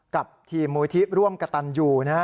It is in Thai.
กับทีมมูลทิศร่วมกับตันอยู่